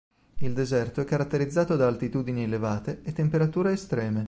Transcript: Il deserto è caratterizzato da altitudini elevate e temperature estreme.